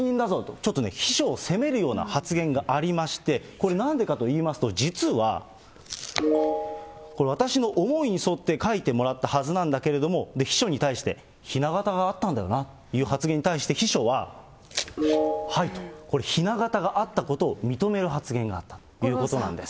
ちょっとね、秘書を責めるような発言がありまして、これ、なんでかといいますと、実は、私の思いに沿って書いてもらったはずなんだけれども、秘書に対して、ひな形があったんだよなという発言に対して、秘書は、はいと、これひな形があったことを認める発言があったということなんです。